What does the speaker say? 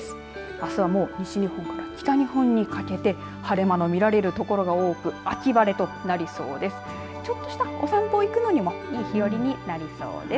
あすはもう西日本から北日本にかけて晴れ間の見られる所が多く秋晴れとなりそうです。